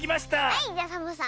はいじゃサボさん。